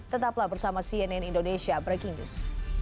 tetaplah bersama cnn indonesia breaking news